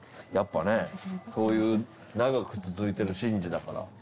やっぱねそういう長く続いてる神事だから。